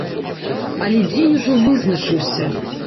Але дзень ужо вызначыўся.